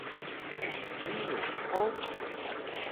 Hiyug hug?